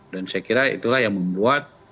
dan saya kira itulah yang membuat